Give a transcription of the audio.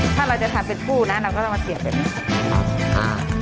ถ้าเราจะทำเป็นผู้นะเราก็เอามาเสียบเป็นนี้ค่ะ